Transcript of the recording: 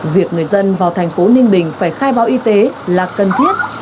việc người dân vào tp ninh bình phải khai báo y tế là cần thiết